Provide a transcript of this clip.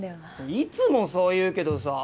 いつもそう言うけどさ